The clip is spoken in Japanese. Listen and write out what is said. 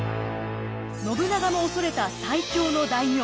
信長も恐れた最強の大名。